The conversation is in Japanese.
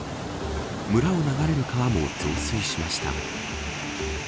村を流れる川も増水しました。